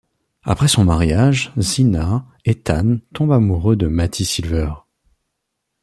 Après son mariage, Zeena, Ethan tombe amoureux de Mattie Silver.